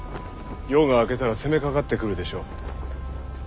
夜が明けたら攻めかかってくるでしょう。